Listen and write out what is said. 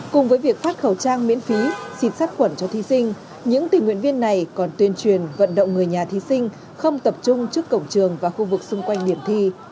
cùng với việc phát khẩu trang miễn phí xịt sát khuẩn cho thí sinh những tình nguyện viên này còn tuyên truyền vận động người nhà thí sinh không tập trung trước cổng trường và khu vực xung quanh điểm thi